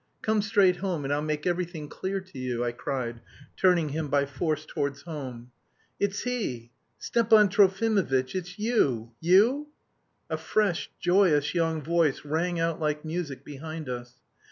"Come straight home and I'll make everything clear to you," I cried, turning him by force towards home. "It's he! Stepan Trofimovitch, it's you? You?" A fresh, joyous young voice rang out like music behind us.